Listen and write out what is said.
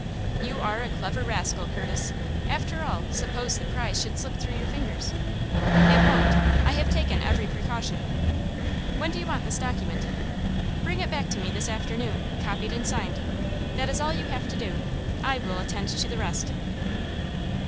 "You are a clever rascal, Curtis. After all, suppose the prize should slip through your fingers?" "It won't. I have taken every precaution." "When do you want this document?" "Bring it back to me this afternoon, copied and signed. That is all you have to do; I will attend to the rest."